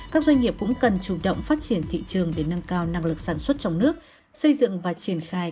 các doanh nghiệp cũng cần chủ động phát triển thị trường để nâng cao năng lực sản xuất trong nước xây dựng và triển khai